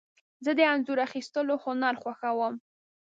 زه د انځور اخیستلو هنر خوښوم.